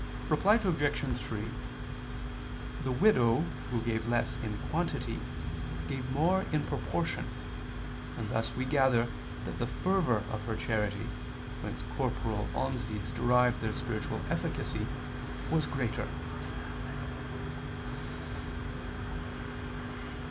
Reply Obj. 3: The widow who gave less in quantity, gave more in proportion; and thus we gather that the fervor of her charity, whence corporal almsdeeds derive their spiritual efficacy, was greater.